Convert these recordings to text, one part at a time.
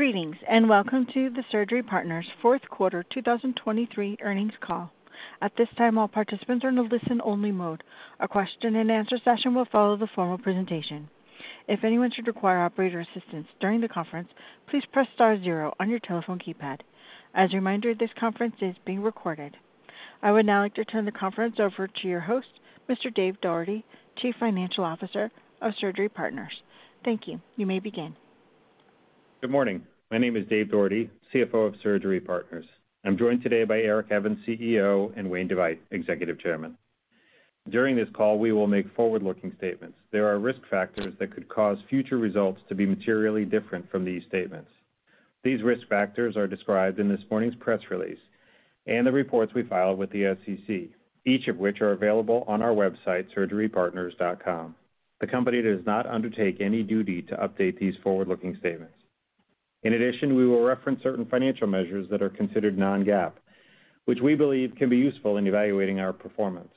Greetings and welcome to the Surgery Partners' fourth quarter 2023 earnings call. At this time, all participants are in a listen-only mode. A question-and-answer session will follow the formal presentation. If anyone should require operator assistance during the conference, please press star zero on your telephone keypad. As a reminder, this conference is being recorded. I would now like to turn the conference over to your host, Mr. Dave Doherty, Chief Financial Officer of Surgery Partners. Thank you. You may begin. Good morning. My name is Dave Doherty, CFO of Surgery Partners. I'm joined today by Eric Evans, CEO, and Wayne DeVeydt, Executive Chairman. During this call, we will make forward-looking statements. There are risk factors that could cause future results to be materially different from these statements. These risk factors are described in this morning's press release and the reports we filed with the SEC, each of which are available on our website, surgerypartners.com. The company does not undertake any duty to update these forward-looking statements. In addition, we will reference certain financial measures that are considered non-GAAP, which we believe can be useful in evaluating our performance.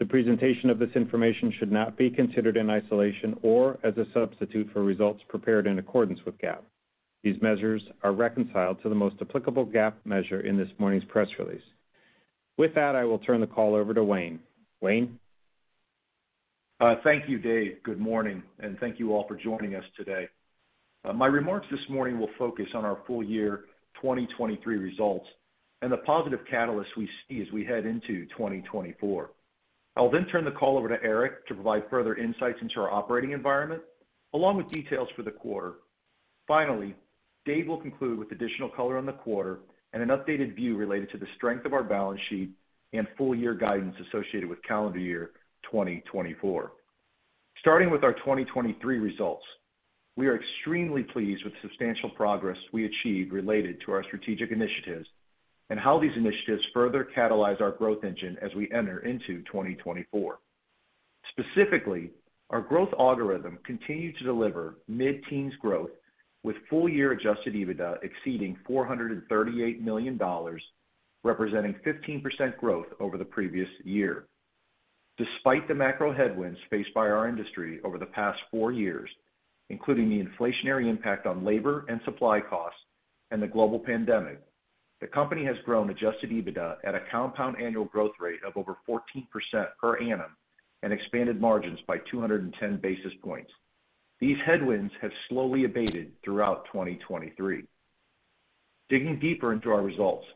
The presentation of this information should not be considered in isolation or as a substitute for results prepared in accordance with GAAP. These measures are reconciled to the most applicable GAAP measure in this morning's press release. With that, I will turn the call over to Wayne. Wayne? Thank you, Dave. Good morning. And thank you all for joining us today. My remarks this morning will focus on our full year 2023 results and the positive catalysts we see as we head into 2024. I'll then turn the call over to Eric to provide further insights into our operating environment, along with details for the quarter. Finally, Dave will conclude with additional color on the quarter and an updated view related to the strength of our balance sheet and full-year guidance associated with calendar year 2024. Starting with our 2023 results, we are extremely pleased with substantial progress we achieved related to our strategic initiatives and how these initiatives further catalyze our growth engine as we enter into 2024. Specifically, our growth algorithm continued to deliver mid-teens growth with full-year adjusted EBITDA exceeding $438 million, representing 15% growth over the previous year. Despite the macro headwinds faced by our industry over the past four years, including the inflationary impact on labor and supply costs and the global pandemic, the company has grown adjusted EBITDA at a compound annual growth rate of over 14% per annum and expanded margins by 210 basis points. These headwinds have slowly abated throughout 2023. Digging deeper into our results,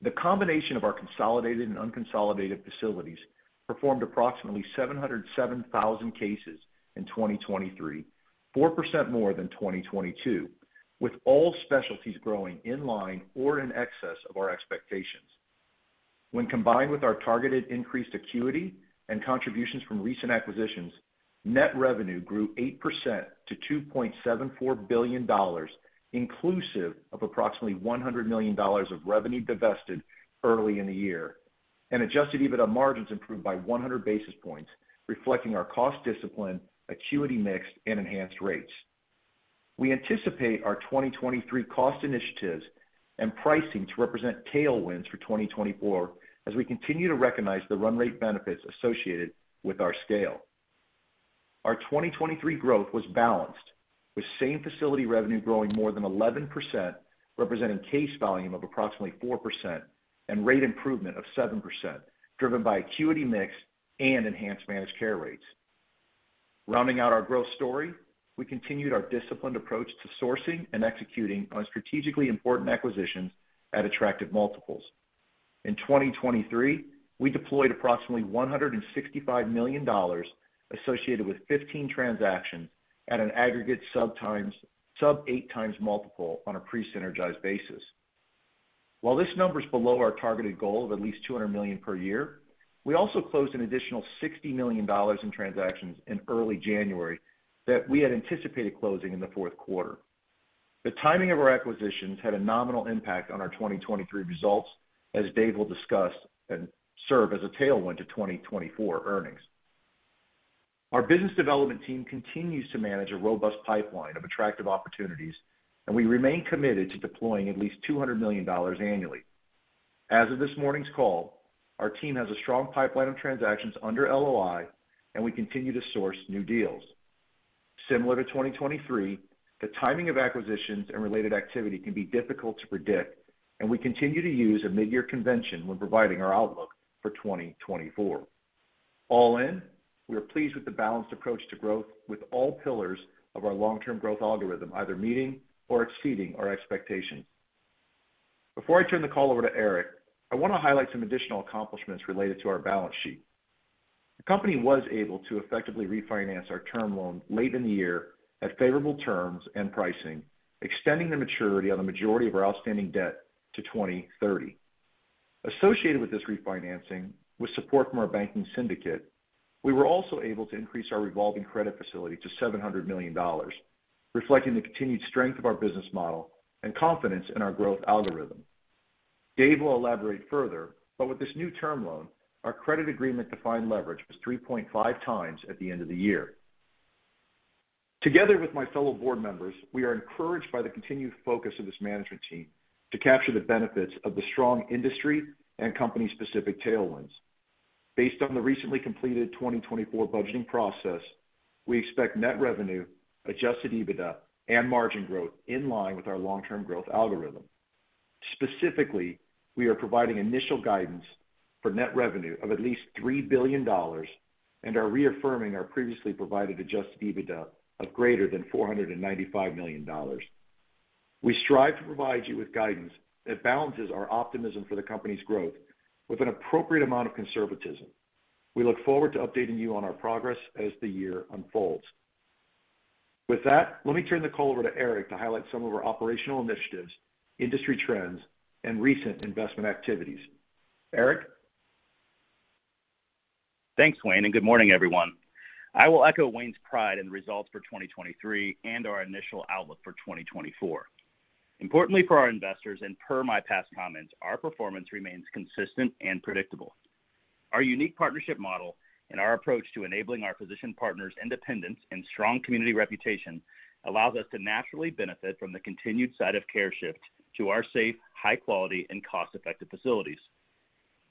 the combination of our consolidated and unconsolidated facilities performed approximately 707,000 cases in 2023, 4% more than 2022, with all specialties growing in line or in excess of our expectations. When combined with our targeted increased acuity and contributions from recent acquisitions, net revenue grew 8% to $2.74 billion, inclusive of approximately $100 million of revenue divested early in the year, and adjusted EBITDA margins improved by 100 basis points, reflecting our cost discipline, acuity mix, and enhanced rates. We anticipate our 2023 cost initiatives and pricing to represent tailwinds for 2024 as we continue to recognize the run-rate benefits associated with our scale. Our 2023 growth was balanced, with same-facility revenue growing more than 11%, representing case volume of approximately 4%, and rate improvement of 7%, driven by acuity mix and enhanced managed care rates. Rounding out our growth story, we continued our disciplined approach to sourcing and executing on strategically important acquisitions at attractive multiples. In 2023, we deployed approximately $165 million associated with 15 transactions at an aggregate sub-8x multiple on a pre-synergized basis. While this number is below our targeted goal of at least $200 million per year, we also closed an additional $60 million in transactions in early January that we had anticipated closing in the fourth quarter. The timing of our acquisitions had a nominal impact on our 2023 results, as Dave will discuss, and serve as a tailwind to 2024 earnings. Our business development team continues to manage a robust pipeline of attractive opportunities, and we remain committed to deploying at least $200 million annually. As of this morning's call, our team has a strong pipeline of transactions under LOI, and we continue to source new deals. Similar to 2023, the timing of acquisitions and related activity can be difficult to predict, and we continue to use a mid-year convention when providing our outlook for 2024. All in, we are pleased with the balanced approach to growth, with all pillars of our long-term growth algorithm either meeting or exceeding our expectations. Before I turn the call over to Eric, I want to highlight some additional accomplishments related to our balance sheet. The company was able to effectively refinance our term loan late in the year at favorable terms and pricing, extending the maturity on the majority of our outstanding debt to 2030. Associated with this refinancing, with support from our banking syndicate, we were also able to increase our revolving credit facility to $700 million, reflecting the continued strength of our business model and confidence in our growth algorithm. Dave will elaborate further, but with this new term loan, our credit agreement-defined leverage was 3.5x at the end of the year. Together with my fellow board members, we are encouraged by the continued focus of this management team to capture the benefits of the strong industry and company-specific tailwinds. Based on the recently completed 2024 budgeting process, we expect net revenue, adjusted EBITDA, and margin growth in line with our long-term growth algorithm. Specifically, we are providing initial guidance for net revenue of at least $3 billion and are reaffirming our previously provided adjusted EBITDA of greater than $495 million. We strive to provide you with guidance that balances our optimism for the company's growth with an appropriate amount of conservatism. We look forward to updating you on our progress as the year unfolds. With that, let me turn the call over to Eric to highlight some of our operational initiatives, industry trends, and recent investment activities. Eric? Thanks, Wayne, and good morning, everyone. I will echo Wayne's pride in the results for 2023 and our initial outlook for 2024. Importantly for our investors and per my past comments, our performance remains consistent and predictable. Our unique partnership model and our approach to enabling our physician partners' independence and strong community reputation allows us to naturally benefit from the continued site-of-care shift to our safe, high-quality, and cost-effective facilities.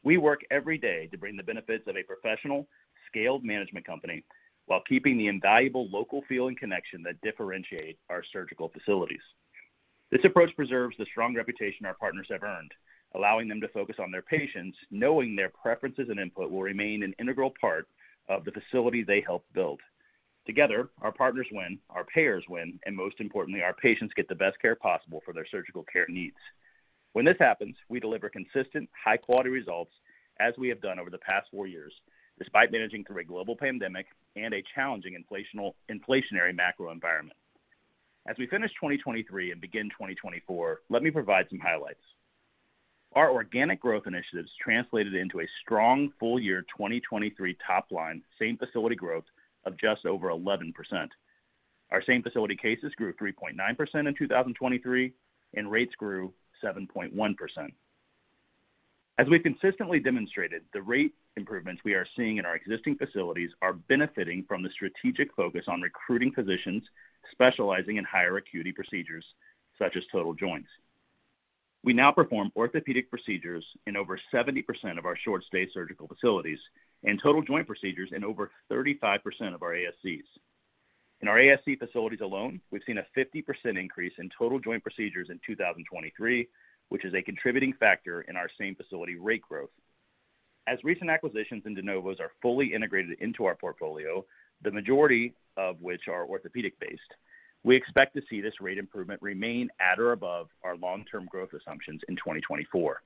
We work every day to bring the benefits of a professional, scaled management company while keeping the invaluable local feel and connection that differentiate our surgical facilities. This approach preserves the strong reputation our partners have earned, allowing them to focus on their patients, knowing their preferences and input will remain an integral part of the facility they help build. Together, our partners win, our payers win, and most importantly, our patients get the best care possible for their surgical care needs. When this happens, we deliver consistent, high-quality results as we have done over the past four years, despite managing through a global pandemic and a challenging inflationary macro environment. As we finish 2023 and begin 2024, let me provide some highlights. Our organic growth initiatives translated into a strong full-year 2023 topline same-facility growth of just over 11%. Our same-facility cases grew 3.9% in 2023, and rates grew 7.1%. As we've consistently demonstrated, the rate improvements we are seeing in our existing facilities are benefiting from the strategic focus on recruiting physicians specializing in higher acuity procedures such as total joints. We now perform orthopedic procedures in over 70% of our short-stay surgical facilities and total joint procedures in over 35% of our ASCs. In our ASC facilities alone, we've seen a 50% increase in total joint procedures in 2023, which is a contributing factor in our same-facility rate growth. As recent acquisitions and de novos are fully integrated into our portfolio, the majority of which are orthopedic-based, we expect to see this rate improvement remain at or above our long-term growth assumptions in 2024.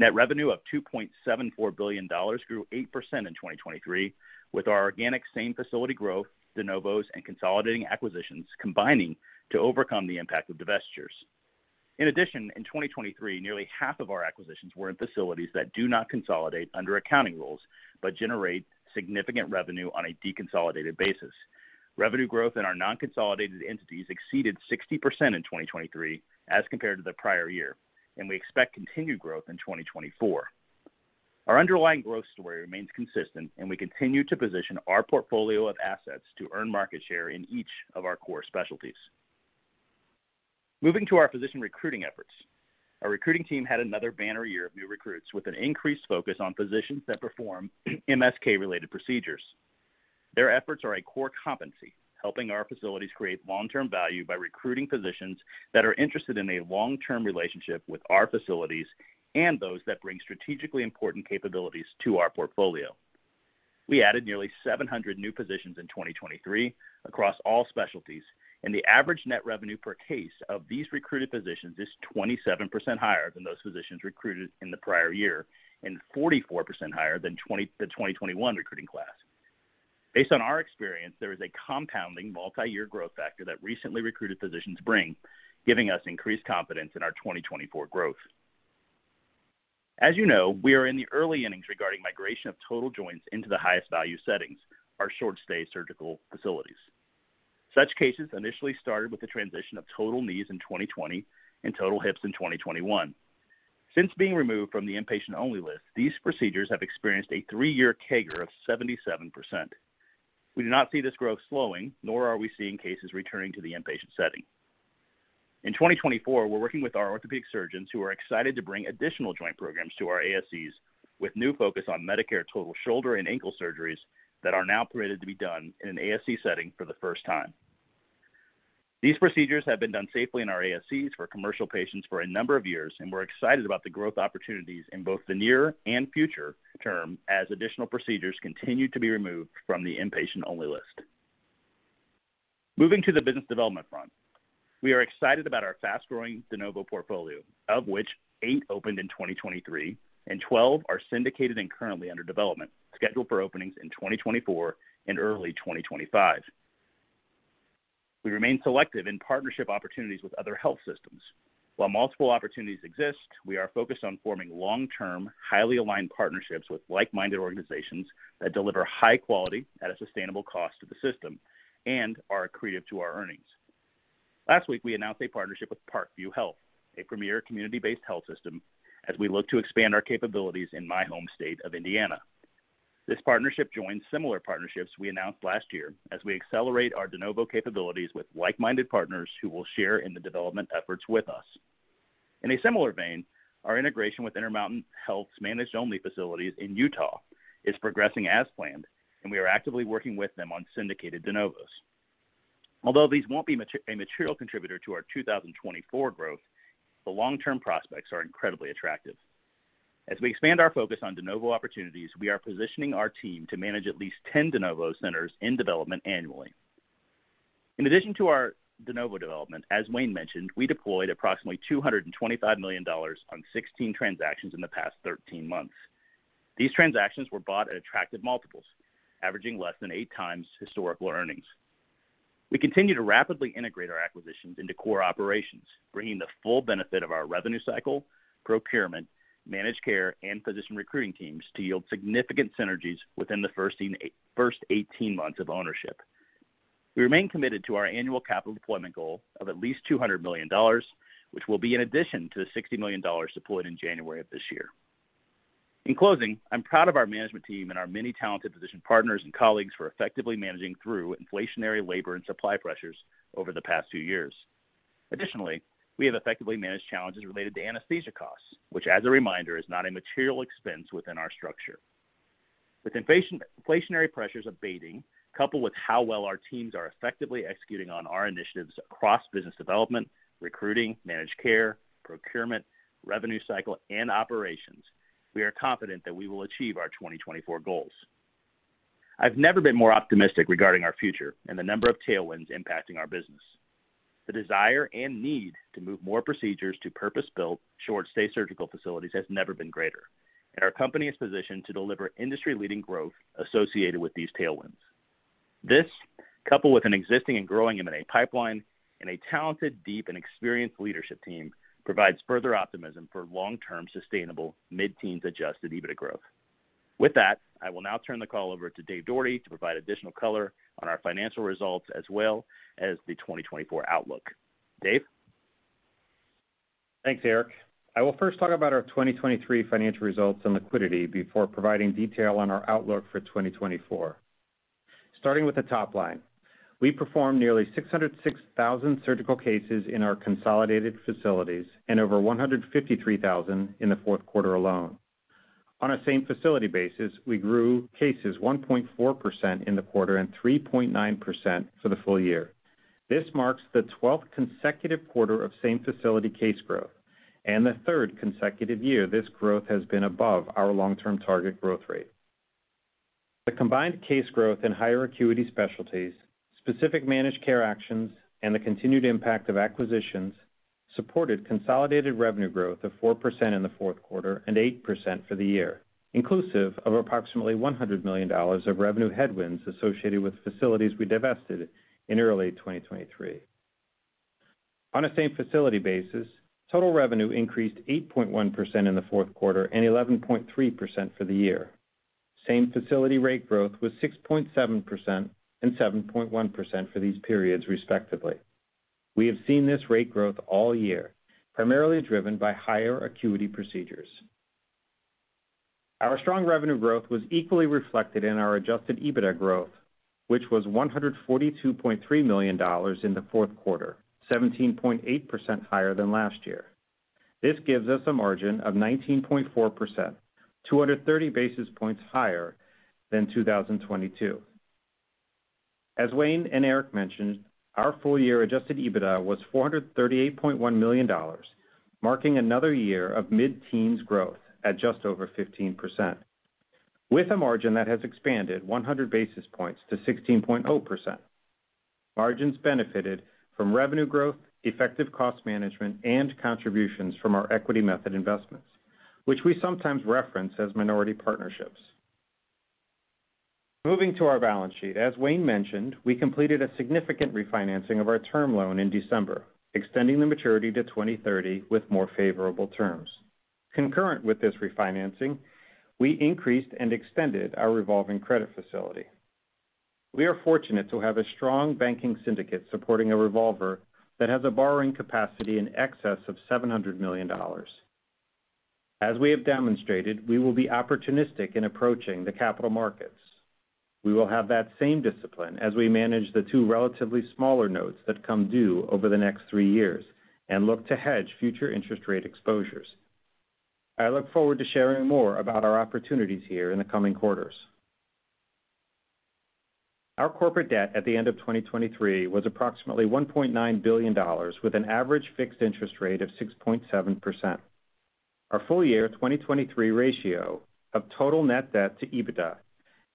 Net revenue of $2.74 billion grew 8% in 2023, with our organic same-facility growth, de novos, and consolidating acquisitions combining to overcome the impact of divestitures. In addition, in 2023, nearly half of our acquisitions were in facilities that do not consolidate under accounting rules but generate significant revenue on a deconsolidated basis. Revenue growth in our non-consolidated entities exceeded 60% in 2023 as compared to the prior year, and we expect continued growth in 2024. Our underlying growth story remains consistent, and we continue to position our portfolio of assets to earn market share in each of our core specialties. Moving to our physician recruiting efforts, our recruiting team had another banner year of new recruits with an increased focus on physicians that perform MSK-related procedures. Their efforts are a core competency, helping our facilities create long-term value by recruiting physicians that are interested in a long-term relationship with our facilities and those that bring strategically important capabilities to our portfolio. We added nearly 700 new positions in 2023 across all specialties, and the average net revenue per case of these recruited physicians is 27% higher than those physicians recruited in the prior year and 44% higher than the 2021 recruiting class. Based on our experience, there is a compounding multi-year growth factor that recently recruited physicians bring, giving us increased confidence in our 2024 growth. As you know, we are in the early innings regarding migration of total joints into the highest-value settings, our short-stay surgical facilities. Such cases initially started with the transition of total knees in 2020 and total hips in 2021. Since being removed from the inpatient-only list, these procedures have experienced a three-year CAGR of 77%. We do not see this growth slowing, nor are we seeing cases returning to the inpatient setting. In 2024, we're working with our orthopedic surgeons who are excited to bring additional joint programs to our ASCs with new focus on Medicare total shoulder and ankle surgeries that are now permitted to be done in an ASC setting for the first time. These procedures have been done safely in our ASCs for commercial patients for a number of years, and we're excited about the growth opportunities in both the near and future term as additional procedures continue to be removed from the inpatient-only list. Moving to the business development front, we are excited about our fast-growing de novo portfolio, of which eight opened in 2023 and 12 are syndicated and currently under development, scheduled for openings in 2024 and early 2025. We remain selective in partnership opportunities with other health systems. While multiple opportunities exist, we are focused on forming long-term, highly aligned partnerships with like-minded organizations that deliver high quality at a sustainable cost to the system and are accretive to our earnings. Last week, we announced a partnership with Parkview Health, a premier community-based health system, as we look to expand our capabilities in my home state of Indiana. This partnership joins similar partnerships we announced last year as we accelerate our de novo capabilities with like-minded partners who will share in the development efforts with us. In a similar vein, our integration with Intermountain Health's managed-only facilities in Utah is progressing as planned, and we are actively working with them on syndicated de novos. Although these won't be a material contributor to our 2024 growth, the long-term prospects are incredibly attractive. As we expand our focus on de novo opportunities, we are positioning our team to manage at least 10 de novo centers in development annually. In addition to our de novo development, as Wayne mentioned, we deployed approximately $225 million on 16 transactions in the past 13 months. These transactions were bought at attractive multiples, averaging less than 8x historical earnings. We continue to rapidly integrate our acquisitions into core operations, bringing the full benefit of our revenue cycle, procurement, managed care, and physician recruiting teams to yield significant synergies within the first 18 months of ownership. We remain committed to our annual capital deployment goal of at least $200 million, which will be in addition to the $60 million deployed in January of this year. In closing, I'm proud of our management team and our many talented physician partners and colleagues for effectively managing through inflationary labor and supply pressures over the past two years. Additionally, we have effectively managed challenges related to anesthesia costs, which, as a reminder, is not a material expense within our structure. With inflationary pressures abating, coupled with how well our teams are effectively executing on our initiatives across business development, recruiting, managed care, procurement, revenue cycle, and operations, we are confident that we will achieve our 2024 goals. I've never been more optimistic regarding our future and the number of tailwinds impacting our business. The desire and need to move more procedures to purpose-built short-stay surgical facilities has never been greater, and our company is positioned to deliver industry-leading growth associated with these tailwinds. This, coupled with an existing and growing M&A pipeline and a talented, deep, and experienced leadership team, provides further optimism for long-term, sustainable, mid-teens-adjusted EBITDA growth. With that, I will now turn the call over to Dave Doherty to provide additional color on our financial results as well as the 2024 outlook. Dave? Thanks, Eric. I will first talk about our 2023 financial results and liquidity before providing detail on our outlook for 2024. Starting with the topline, we performed nearly 606,000 surgical cases in our consolidated facilities and over 153,000 in the fourth quarter alone. On a same-facility basis, we grew cases 1.4% in the quarter and 3.9% for the full year. This marks the 12th consecutive quarter of same-facility case growth, and the third consecutive year this growth has been above our long-term target growth rate. The combined case growth in higher acuity specialties, specific managed care actions, and the continued impact of acquisitions supported consolidated revenue growth of 4% in the fourth quarter and 8% for the year, inclusive of approximately $100 million of revenue headwinds associated with facilities we divested in early 2023. On a same-facility basis, total revenue increased 8.1% in the fourth quarter and 11.3% for the year. Same-facility rate growth was 6.7% and 7.1% for these periods, respectively. We have seen this rate growth all year, primarily driven by higher acuity procedures. Our strong revenue growth was equally reflected in our adjusted EBITDA growth, which was $142.3 million in the fourth quarter, 17.8% higher than last year. This gives us a margin of 19.4%, 230 basis points higher than 2022. As Wayne and Eric mentioned, our full-year adjusted EBITDA was $438.1 million, marking another year of mid-teens growth at just over 15%, with a margin that has expanded 100 basis points to 16.0%. Margins benefited from revenue growth, effective cost management, and contributions from our equity method investments, which we sometimes reference as minority partnerships. Moving to our balance sheet, as Wayne mentioned, we completed a significant refinancing of our term loan in December, extending the maturity to 2030 with more favorable terms. Concurrent with this refinancing, we increased and extended our revolving credit facility. We are fortunate to have a strong banking syndicate supporting a revolver that has a borrowing capacity in excess of $700 million. As we have demonstrated, we will be opportunistic in approaching the capital markets. We will have that same discipline as we manage the two relatively smaller notes that come due over the next three years and look to hedge future interest rate exposures. I look forward to sharing more about our opportunities here in the coming quarters. Our corporate debt at the end of 2023 was approximately $1.9 billion, with an average fixed interest rate of 6.7%. Our full-year 2023 ratio of total net debt to EBITDA,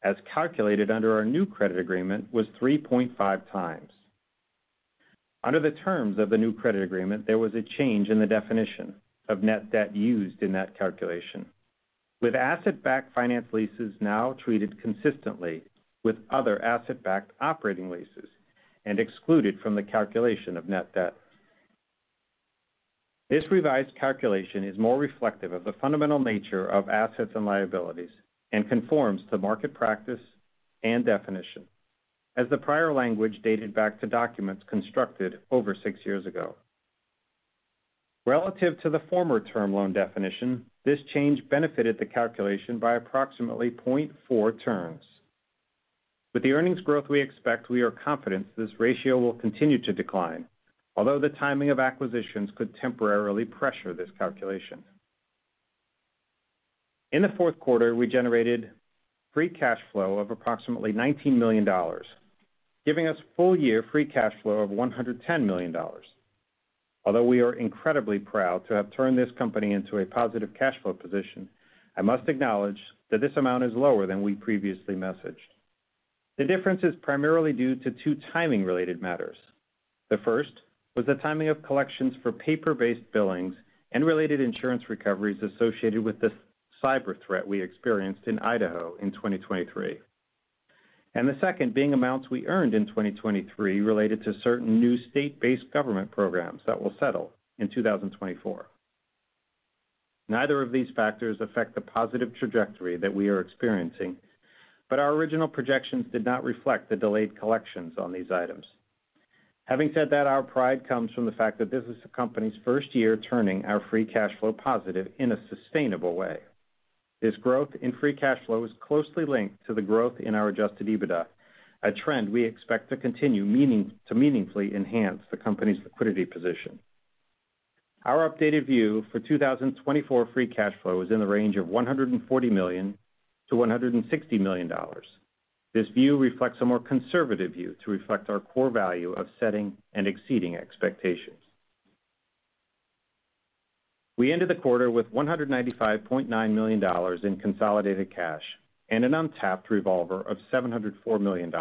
as calculated under our new credit agreement, was 3.5x. Under the terms of the new credit agreement, there was a change in the definition of net debt used in that calculation, with asset-backed finance leases now treated consistently with other asset-backed operating leases and excluded from the calculation of net debt. This revised calculation is more reflective of the fundamental nature of assets and liabilities and conforms to market practice and definition, as the prior language dated back to documents constructed over six years ago. Relative to the former term loan definition, this change benefited the calculation by approximately 0.4 turns. With the earnings growth we expect, we are confident this ratio will continue to decline, although the timing of acquisitions could temporarily pressure this calculation. In the fourth quarter, we generated free cash flow of approximately $19 million, giving us full-year free cash flow of $110 million. Although we are incredibly proud to have turned this company into a positive cash flow position, I must acknowledge that this amount is lower than we previously messaged. The difference is primarily due to two timing-related matters. The first was the timing of collections for paper-based billings and related insurance recoveries associated with the cyber threat we experienced in Idaho in 2023, and the second being amounts we earned in 2023 related to certain new state-based government programs that will settle in 2024. Neither of these factors affect the positive trajectory that we are experiencing, but our original projections did not reflect the delayed collections on these items. Having said that, our pride comes from the fact that this is the company's first year turning our free cash flow positive in a sustainable way. This growth in free cash flow is closely linked to the growth in our adjusted EBITDA, a trend we expect to continue to meaningfully enhance the company's liquidity position. Our updated view for 2024 free cash flow is in the range of $140 million-$160 million. This view reflects a more conservative view to reflect our core value of setting and exceeding expectations. We ended the quarter with $195.9 million in consolidated cash and an untapped revolver of $704 million.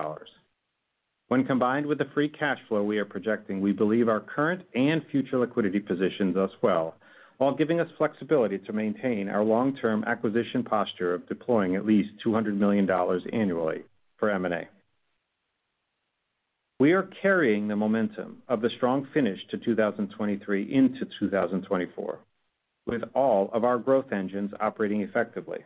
When combined with the free cash flow we are projecting, we believe our current and future liquidity positions us well, while giving us flexibility to maintain our long-term acquisition posture of deploying at least $200 million annually for M&A. We are carrying the momentum of the strong finish to 2023 into 2024, with all of our growth engines operating effectively.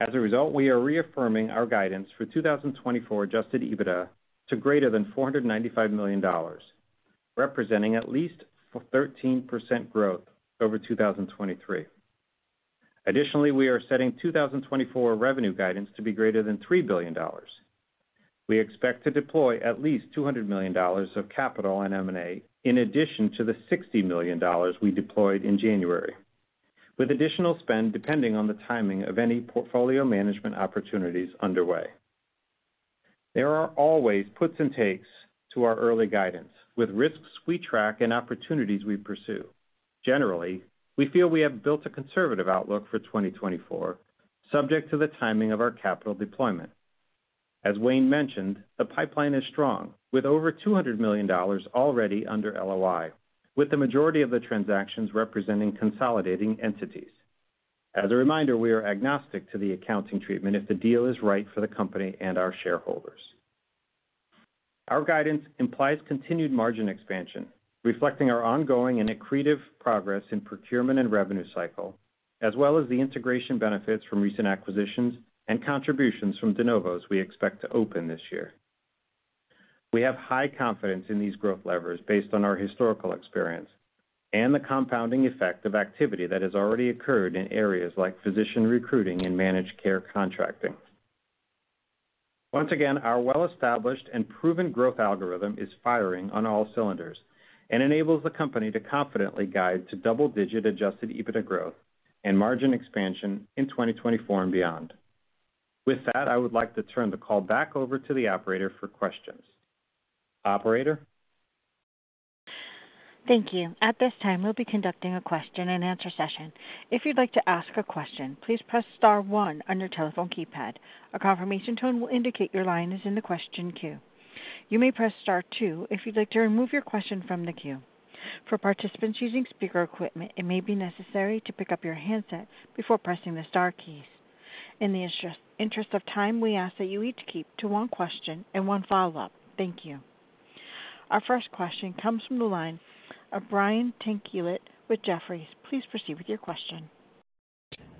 As a result, we are reaffirming our guidance for 2024 adjusted EBITDA to greater than $495 million, representing at least 13% growth over 2023. Additionally, we are setting 2024 revenue guidance to be greater than $3 billion. We expect to deploy at least $200 million of capital in M&A in addition to the $60 million we deployed in January, with additional spend depending on the timing of any portfolio management opportunities underway. There are always puts and takes to our early guidance, with risks we track and opportunities we pursue. Generally, we feel we have built a conservative outlook for 2024, subject to the timing of our capital deployment. As Wayne mentioned, the pipeline is strong, with over $200 million already under LOI, with the majority of the transactions representing consolidating entities. As a reminder, we are agnostic to the accounting treatment if the deal is right for the company and our shareholders. Our guidance implies continued margin expansion, reflecting our ongoing and accretive progress in procurement and revenue cycle, as well as the integration benefits from recent acquisitions and contributions from de novos we expect to open this year. We have high confidence in these growth levers based on our historical experience and the compounding effect of activity that has already occurred in areas like physician recruiting and managed care contracting. Once again, our well-established and proven growth algorithm is firing on all cylinders and enables the company to confidently guide to double-digit adjusted EBITDA growth and margin expansion in 2024 and beyond. With that, I would like to turn the call back over to the operator for questions. Operator? Thank you. At this time, we'll be conducting a question-and-answer session. If you'd like to ask a question, please press star one on your telephone keypad. A confirmation tone will indicate your line is in the question queue. You may press star two if you'd like to remove your question from the queue. For participants using speaker equipment, it may be necessary to pick up your handset before pressing the star keys. In the interest of time, we ask that you each keep to one question and one follow-up. Thank you. Our first question comes from the line of Brian Tanquilut with Jefferies. Please proceed with your question.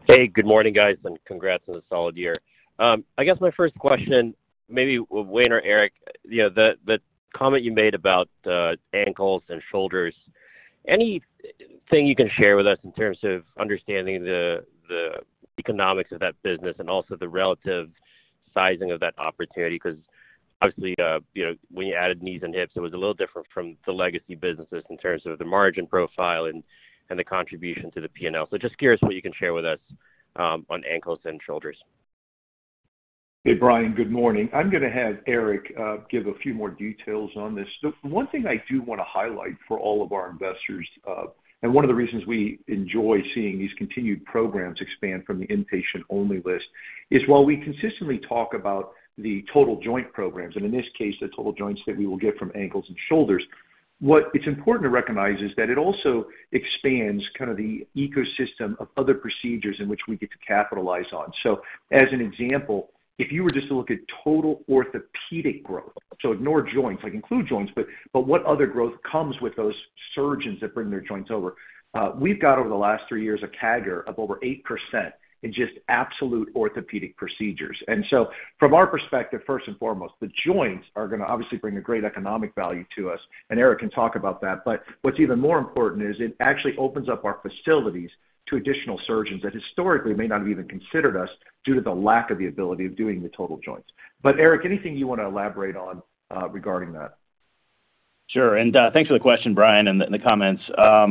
Hey, good morning, guys, and congrats on a solid year. I guess my first question, maybe Wayne or Eric, the comment you made about ankles and shoulders, anything you can share with us in terms of understanding the economics of that business and also the relative sizing of that opportunity? Because obviously, when you added knees and hips, it was a little different from the legacy businesses in terms of the margin profile and the contribution to the P&L. So just curious what you can share with us on ankles and shoulders. Hey, Brian. Good morning. I'm going to have Eric give a few more details on this. One thing I do want to highlight for all of our investors, and one of the reasons we enjoy seeing these continued programs expand from the inpatient-only list, is while we consistently talk about the total joint programs, and in this case, the total joints that we will get from ankles and shoulders, what it's important to recognize is that it also expands kind of the ecosystem of other procedures in which we get to capitalize on. So as an example, if you were just to look at total orthopedic growth, so ignore joints, include joints, but what other growth comes with those surgeons that bring their joints over, we've got over the last three years a CAGR of over 8% in just absolute orthopedic procedures. And so from our perspective, first and foremost, the joints are going to obviously bring a great economic value to us, and Eric can talk about that. But what's even more important is it actually opens up our facilities to additional surgeons that historically may not have even considered us due to the lack of the ability of doing the total joints. But Eric, anything you want to elaborate on regarding that? Sure. And thanks for the question, Brian, and the comments. We're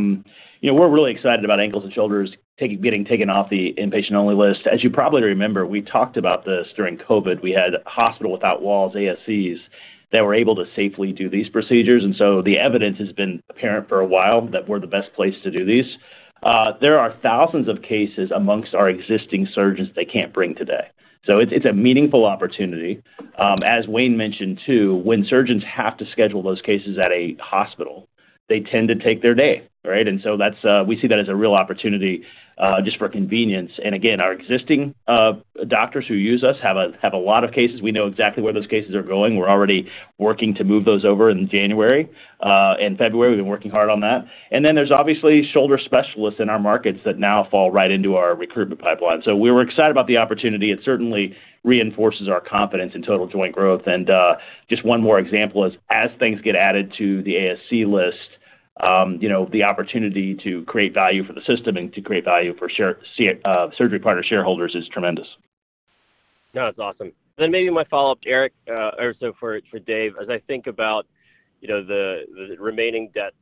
really excited about ankles and shoulders getting taken off the inpatient-only list. As you probably remember, we talked about this during COVID. We had Hospital Without Walls, ASCs, that were able to safely do these procedures. And so the evidence has been apparent for a while that we're the best place to do these. There are thousands of cases amongst our existing surgeons that they can't bring today. So it's a meaningful opportunity. As Wayne mentioned, too, when surgeons have to schedule those cases at a hospital, they tend to take their day, right? And so we see that as a real opportunity just for convenience. And again, our existing doctors who use us have a lot of cases. We know exactly where those cases are going. We're already working to move those over in January. In February, we've been working hard on that. Then there's obviously shoulder specialists in our markets that now fall right into our recruitment pipeline. We were excited about the opportunity. It certainly reinforces our confidence in total joint growth. Just one more example is, as things get added to the ASC list, the opportunity to create value for the system and to create value for Surgery Partners shareholders is tremendous. No, that's awesome. And then maybe my follow-up to Eric or so for Dave, as I think about the remaining debt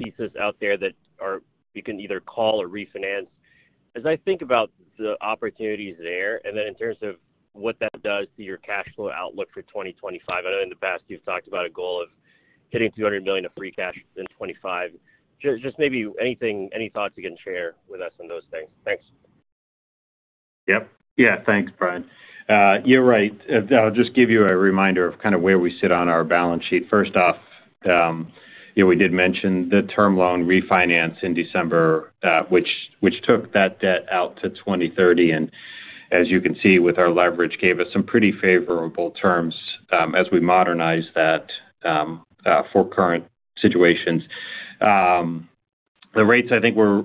pieces out there that we can either call or refinance, as I think about the opportunities there, and then in terms of what that does to your cash flow outlook for 2025, I know in the past you've talked about a goal of hitting $200 million of free cash in 2025. Just maybe any thoughts you can share with us on those things. Thanks. Yep. Yeah, thanks, Brian. You're right. I'll just give you a reminder of kind of where we sit on our balance sheet. First off, we did mention the term loan refinance in December, which took that debt out to 2030. And as you can see with our leverage, gave us some pretty favorable terms as we modernized that for current situations. The rates, I think, were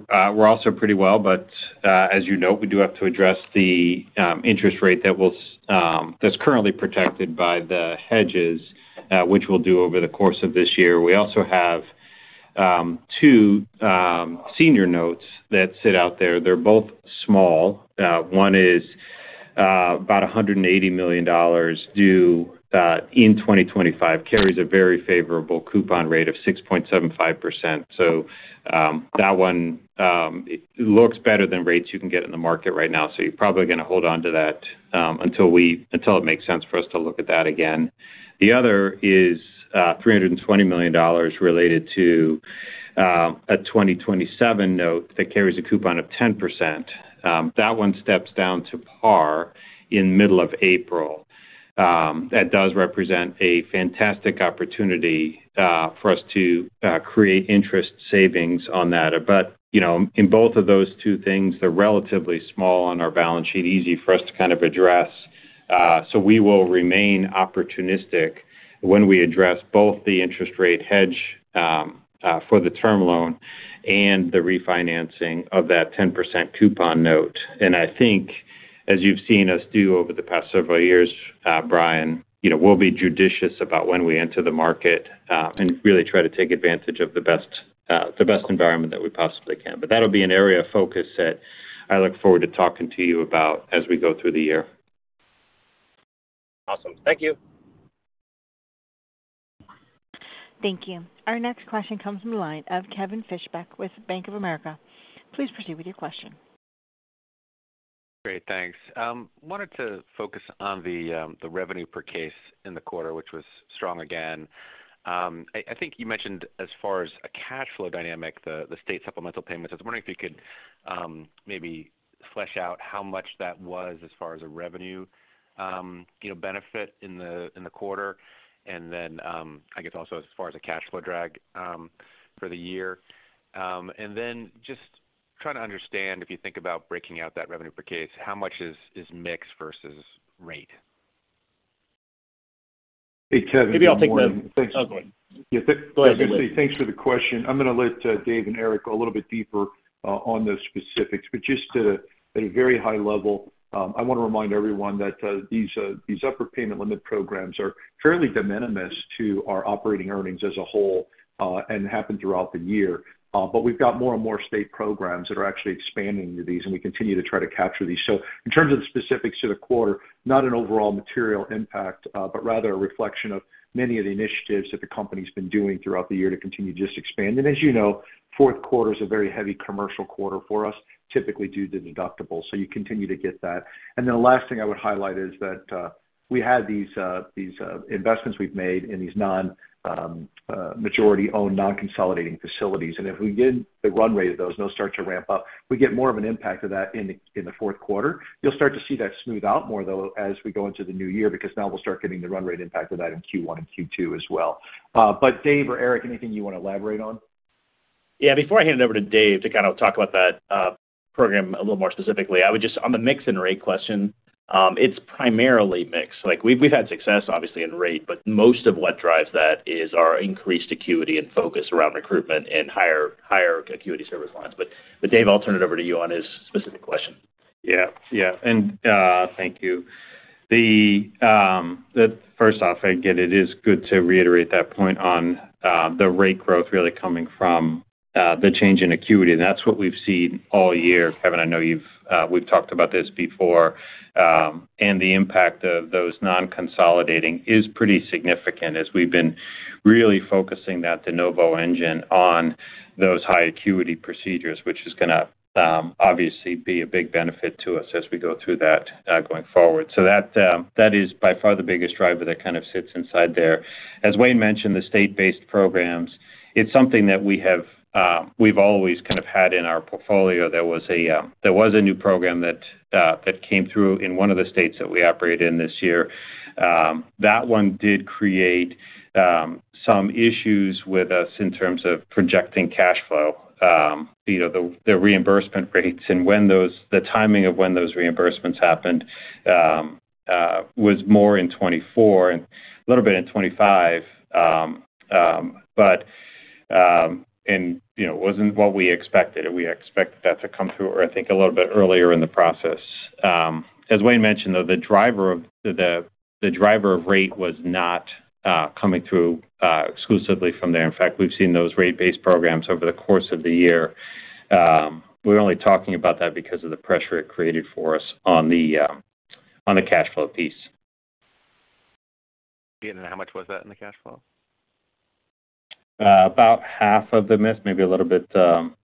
also pretty well. But as you note, we do have to address the interest rate that's currently protected by the hedges, which we'll do over the course of this year. We also have two senior notes that sit out there. They're both small. One is about $180 million due in 2025, carries a very favorable coupon rate of 6.75%. So that one looks better than rates you can get in the market right now. You're probably going to hold on to that until it makes sense for us to look at that again. The other is $320 million related to a 2027 note that carries a coupon of 10%. That one steps down to par in the middle of April. That does represent a fantastic opportunity for us to create interest savings on that. But in both of those two things, they're relatively small on our balance sheet, easy for us to kind of address. We will remain opportunistic when we address both the interest rate hedge for the term loan and the refinancing of that 10% coupon note. I think, as you've seen us do over the past several years, Brian, we'll be judicious about when we enter the market and really try to take advantage of the best environment that we possibly can. But that'll be an area of focus that I look forward to talking to you about as we go through the year. Awesome. Thank you. Thank you. Our next question comes from the line of Kevin Fischbeck with Bank of America. Please proceed with your question. Great. Thanks. Wanted to focus on the revenue per case in the quarter, which was strong again. I think you mentioned, as far as a cash flow dynamic, the state supplemental payments. I was wondering if you could maybe flesh out how much that was as far as a revenue benefit in the quarter, and then, I guess, also as far as a cash flow drag for the year? And then just trying to understand, if you think about breaking out that revenue per case, how much is mix versus rate? Hey, Kevin. Maybe I'll take the. Oh, go ahead. Yeah, go ahead, Wayne. Yeah, thanks. I was going to say thanks for the question. I'm going to let Dave and Eric go a little bit deeper on the specifics. But just at a very high level, I want to remind everyone that these upper payment limit programs are fairly de minimis to our operating earnings as a whole and happen throughout the year. But we've got more and more state programs that are actually expanding into these, and we continue to try to capture these. So in terms of the specifics to the quarter, not an overall material impact, but rather a reflection of many of the initiatives that the company's been doing throughout the year to continue just expanding. As you know, fourth quarter is a very heavy commercial quarter for us, typically due to deductibles. So you continue to get that. And then the last thing I would highlight is that we had these investments we've made in these majority-owned, non-consolidating facilities. And if we get the run rate of those, and those start to ramp up, we get more of an impact of that in the fourth quarter. You'll start to see that smooth out more, though, as we go into the new year because now we'll start getting the run rate impact of that in Q1 and Q2 as well. But Dave or Eric, anything you want to elaborate on? Yeah, before I hand it over to Dave to kind of talk about that program a little more specifically, I would just, on the mix and rate question, it's primarily mix. We've had success, obviously, in rate, but most of what drives that is our increased acuity and focus around recruitment in higher acuity service lines. But Dave, I'll turn it over to you on his specific question. Yeah. Yeah. And thank you. First off, again, it is good to reiterate that point on the rate growth really coming from the change in acuity. And that's what we've seen all year. Kevin, I know we've talked about this before. And the impact of those non-consolidating is pretty significant as we've been really focusing that de novo engine on those high-acuity procedures, which is going to obviously be a big benefit to us as we go through that going forward. So that is by far the biggest driver that kind of sits inside there. As Wayne mentioned, the state-based programs, it's something that we've always kind of had in our portfolio. There was a new program that came through in one of the states that we operate in this year. That one did create some issues with us in terms of projecting cash flow, the reimbursement rates, and the timing of when those reimbursements happened was more in 2024 and a little bit in 2025, but it wasn't what we expected. We expected that to come through, I think, a little bit earlier in the process. As Wayne mentioned, though, the driver of rate was not coming through exclusively from there. In fact, we've seen those rate-based programs over the course of the year. We're only talking about that because of the pressure it created for us on the cash flow piece. And then how much was that in the cash flow? About half of the miss, maybe a little bit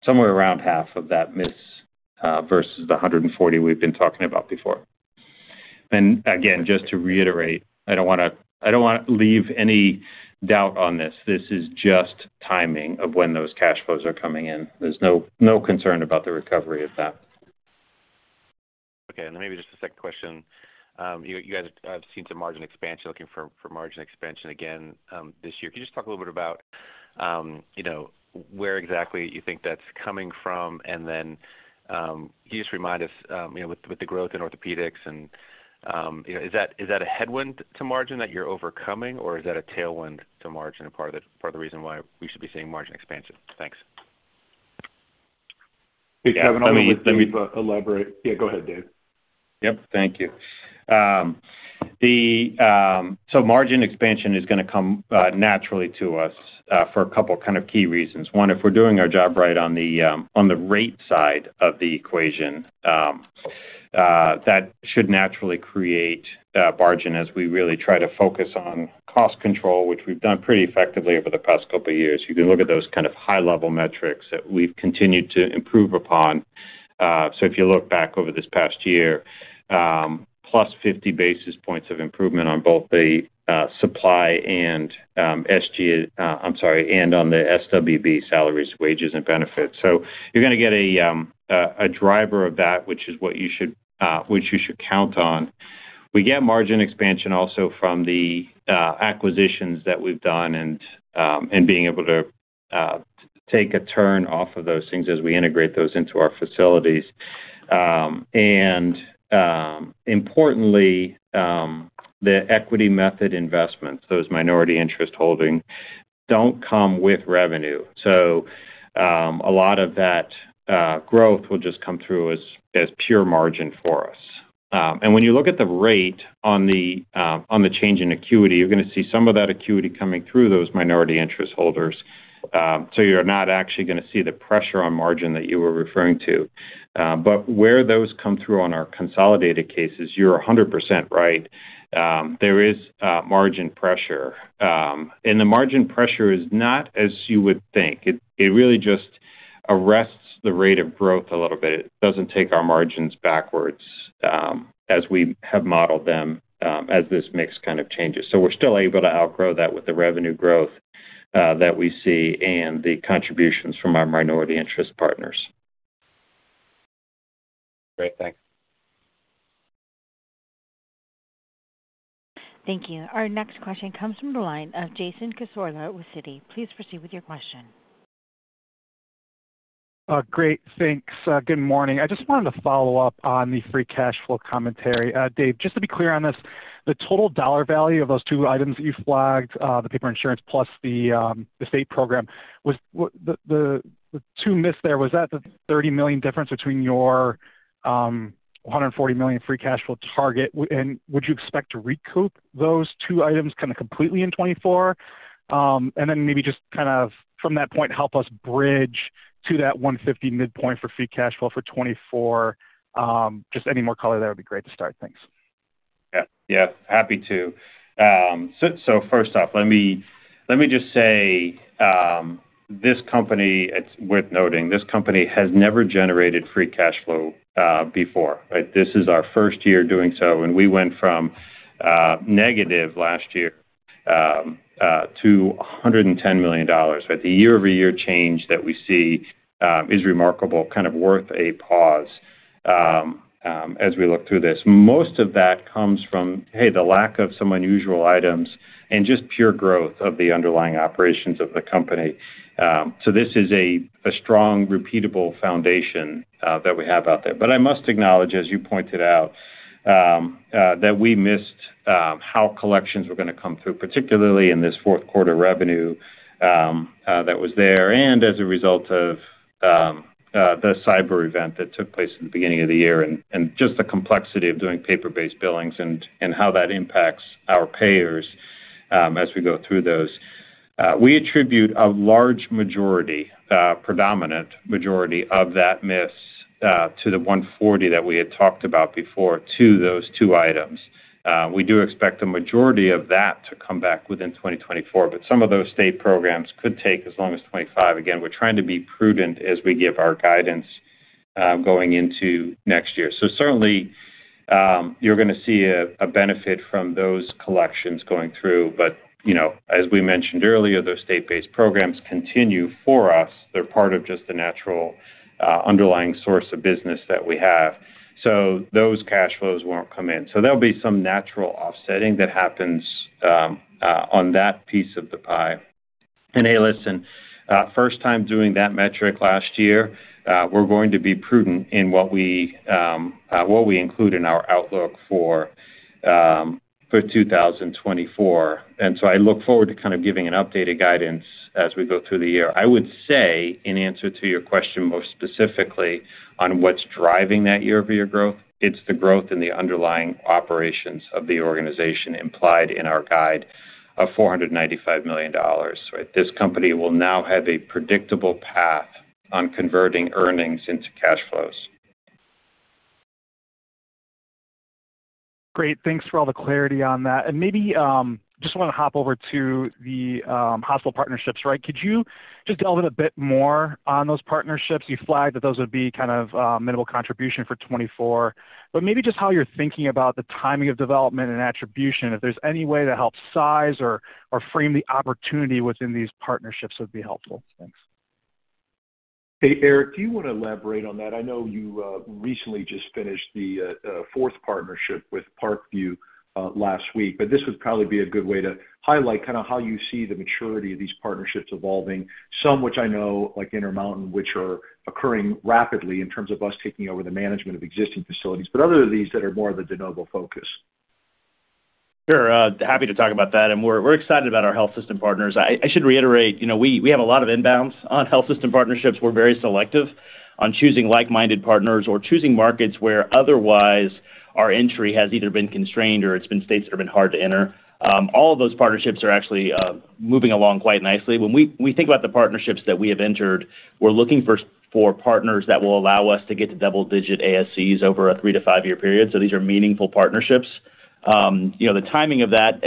somewhere around half of that miss versus the $140 million we've been talking about before. And again, just to reiterate, I don't want to I don't want to leave any doubt on this. This is just timing of when those cash flows are coming in. There's no concern about the recovery of that. Okay. And then maybe just a second question. You guys have seen some margin expansion, looking for margin expansion again this year. Can you just talk a little bit about where exactly you think that's coming from? And then can you just remind us, with the growth in orthopedics, is that a headwind to margin that you're overcoming, or is that a tailwind to margin and part of the reason why we should be seeing margin expansion? Thanks. Hey, Kevin, I wanted to elaborate. Yeah, go ahead, Dave. Yep. Thank you. So margin expansion is going to come naturally to us for a couple of kind of key reasons. One, if we're doing our job right on the rate side of the equation, that should naturally create margin as we really try to focus on cost control, which we've done pretty effectively over the past couple of years. You can look at those kind of high-level metrics that we've continued to improve upon. So if you look back over this past year, 50+ basis points of improvement on both the supply and SG. I'm sorry, and on the SWB: salaries, wages, and benefits. So you're going to get a driver of that, which is what you should count on. We get margin expansion also from the acquisitions that we've done and being able to take a turn off of those things as we integrate those into our facilities. Importantly, the equity method investments, those minority interest holding, don't come with revenue. A lot of that growth will just come through as pure margin for us. When you look at the rate on the change in acuity, you're going to see some of that acuity coming through those minority interest holders. You're not actually going to see the pressure on margin that you were referring to. Where those come through on our consolidated cases, you're 100% right. There is margin pressure. The margin pressure is not as you would think. It really just arrests the rate of growth a little bit. It doesn't take our margins backwards as we have modeled them as this mix kind of changes. So we're still able to outgrow that with the revenue growth that we see and the contributions from our minority interest partners. Great. Thanks. Thank you. Our next question comes from the line of Jason Cassorla with Citi. Please proceed with your question. Great. Thanks. Good morning. I just wanted to follow up on the free cash flow commentary. Dave, just to be clear on this, the total dollar value of those two items that you flagged, the paper insurance plus the state program, the two miss there, was that the $30 million difference between your $140 million free cash flow target? And would you expect to recoup those two items kind of completely in 2024? And then maybe just kind of from that point, help us bridge to that $150 million midpoint for free cash flow for 2024. Just any more color there would be great to start. Thanks. Yeah. Yeah. Happy to. So first off, let me just say this company worth noting, this company has never generated free cash flow before, right? This is our first year doing so. And we went from negative last year to $110 million, right? The year-over-year change that we see is remarkable, kind of worth a pause as we look through this. Most of that comes from, hey, the lack of some unusual items and just pure growth of the underlying operations of the company. So this is a strong, repeatable foundation that we have out there. But I must acknowledge, as you pointed out, that we missed how collections were going to come through, particularly in this fourth quarter revenue that was there and as a result of the cyber event that took place at the beginning of the year and just the complexity of doing paper-based billings and how that impacts our payers as we go through those. We attribute a large majority, predominant majority of that miss to the $140 million that we had talked about before to those two items. We do expect a majority of that to come back within 2024, but some of those state programs could take as long as 2025. Again, we're trying to be prudent as we give our guidance going into next year. So certainly, you're going to see a benefit from those collections going through. But as we mentioned earlier, those state-based programs continue for us. They're part of just the natural underlying source of business that we have. So those cash flows won't come in. So there'll be some natural offsetting that happens on that piece of the pie. And hey, listen, first time doing that metric last year, we're going to be prudent in what we include in our outlook for 2024. And so I look forward to kind of giving an updated guidance as we go through the year. I would say, in answer to your question most specifically on what's driving that year-over-year growth, it's the growth in the underlying operations of the organization implied in our guide of $495 million, right? This company will now have a predictable path on converting earnings into cash flows. Great. Thanks for all the clarity on that. And maybe just want to hop over to the hospital partnerships, right? Could you just delve in a bit more on those partnerships? You flagged that those would be kind of minimal contribution for 2024. But maybe just how you're thinking about the timing of development and attribution, if there's any way that helps size or frame the opportunity within these partnerships would be helpful. Thanks. Hey, Eric, do you want to elaborate on that? I know you recently just finished the fourth partnership with Parkview Health last week, but this would probably be a good way to highlight kind of how you see the maturity of these partnerships evolving, some which I know like Intermountain Health, which are occurring rapidly in terms of us taking over the management of existing facilities, but other of these that are more of the de novo focus. Sure. Happy to talk about that. We're excited about our health system partners. I should reiterate, we have a lot of inbounds on health system partnerships. We're very selective on choosing like-minded partners or choosing markets where otherwise our entry has either been constrained or it's been states that have been hard to enter. All of those partnerships are actually moving along quite nicely. When we think about the partnerships that we have entered, we're looking for partners that will allow us to get to double-digit ASCs over a three to five-year period. So these are meaningful partnerships. The timing of that,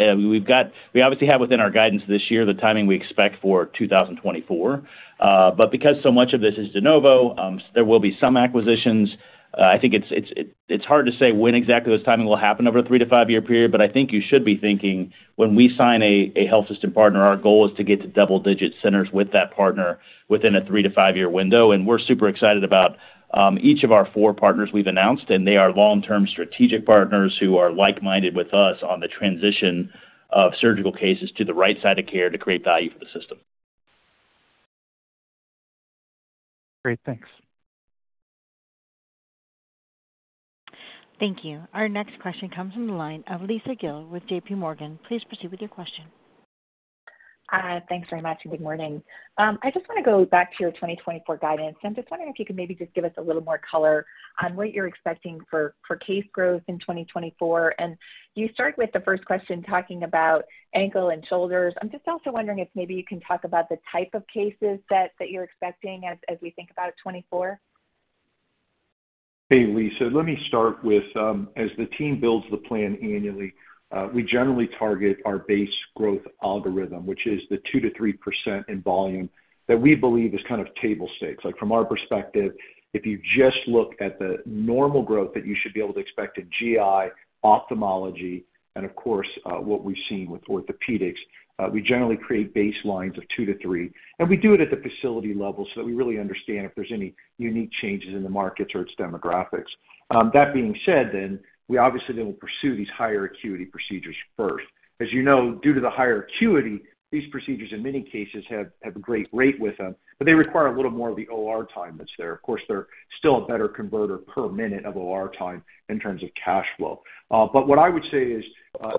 we obviously have within our guidance this year the timing we expect for 2024. But because so much of this is de novo, there will be some acquisitions. I think it's hard to say when exactly those timings will happen over a three to five-year period, but I think you should be thinking when we sign a health system partner, our goal is to get to double-digit centers with that partner within a three to five-year window. We're super excited about each of our four partners we've announced, and they are long-term strategic partners who are like-minded with us on the transition of surgical cases to the right side of care to create value for the system. Great. Thanks. Thank you. Our next question comes from the line of Lisa Gill with JPMorgan. Please proceed with your question. Thanks very much. And good morning. I just want to go back to your 2024 guidance. I'm just wondering if you could maybe just give us a little more color on what you're expecting for case growth in 2024. And you started with the first question talking about ankle and shoulders. I'm just also wondering if maybe you can talk about the type of cases that you're expecting as we think about 2024. Hey, Lisa. Let me start with, as the team builds the plan annually, we generally target our base growth algorithm, which is the 2%-3% in volume that we believe is kind of table stakes. From our perspective, if you just look at the normal growth that you should be able to expect in GI, ophthalmology, and of course, what we've seen with orthopedics, we generally create baselines of 2%-3%. And we do it at the facility level so that we really understand if there's any unique changes in the markets or its demographics. That being said, then, we obviously then will pursue these higher acuity procedures first. As you know, due to the higher acuity, these procedures in many cases have a great rate with them, but they require a little more of the OR time that's there. Of course, they're still a better converter per minute of OR time in terms of cash flow. But what I would say is,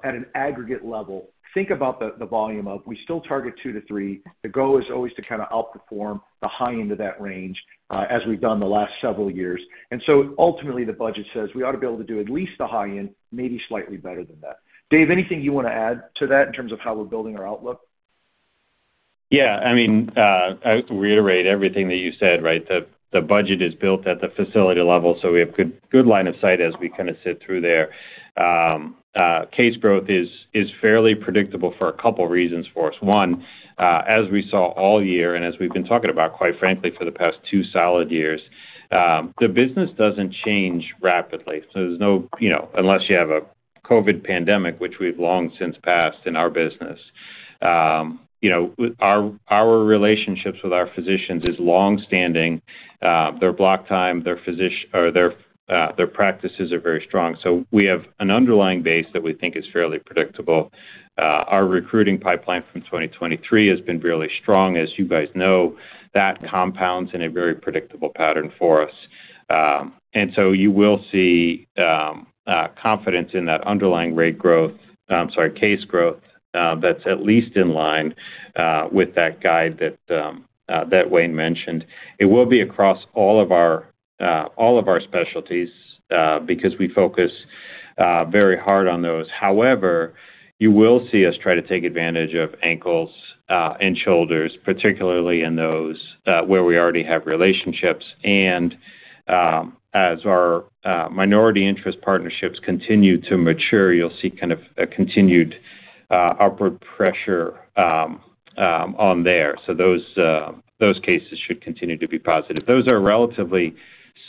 at an aggregate level, think about the volume of we still target 2%-3%. The goal is always to kind of outperform the high end of that range as we've done the last several years. And so ultimately, the budget says we ought to be able to do at least the high end, maybe slightly better than that. Dave, anything you want to add to that in terms of how we're building our outlook? Yeah. I mean, I reiterate everything that you said, right? The budget is built at the facility level, so we have good line of sight as we kind of sit through there. Case growth is fairly predictable for a couple of reasons for us. One, as we saw all year and as we've been talking about, quite frankly, for the past two solid years, the business doesn't change rapidly. So there's no unless you have a COVID pandemic, which we've long since passed in our business. Our relationships with our physicians is long-standing. Their block time. Their practices are very strong. So we have an underlying base that we think is fairly predictable. Our recruiting pipeline from 2023 has been really strong. As you guys know, that compounds in a very predictable pattern for us. You will see confidence in that underlying rate growth. I'm sorry, case growth that's at least in line with that guide that Wayne mentioned. It will be across all of our specialties because we focus very hard on those. However, you will see us try to take advantage of ankles and shoulders, particularly in those where we already have relationships. And as our minority interest partnerships continue to mature, you'll see kind of a continued upward pressure on there. So those cases should continue to be positive. Those are a relatively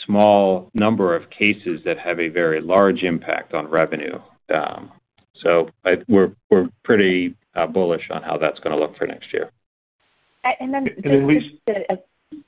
small number of cases that have a very large impact on revenue. So we're pretty bullish on how that's going to look for next year. And then just to say.